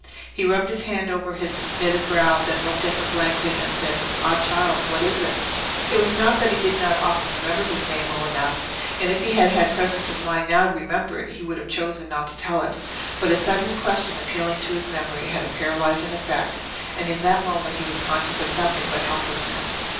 He rubbed his hand over his knitted brow, then looked at her blankly and said, "Ah, child, what is it?" It was not that he did not often remember his name well enough; and if he had had presence of mind now to remember it, he would have chosen not to tell it. But a sudden question appealing to his memory, had a paralysing effect, and in that moment he was conscious of nothing but helplessness.